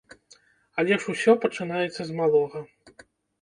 Але ж усё пачынаецца з малога.